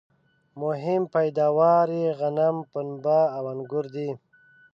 مهم پیداوار یې غنم ، پنبه او انګور دي